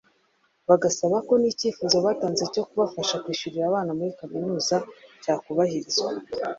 bagasaba ko n’icyifuzo batanze cyo kubafasha kwishyurira abana muri Kaminuza cyakubahirizwa